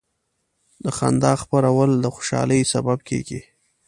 د خندا خپرول د خوشحالۍ سبب کېږي.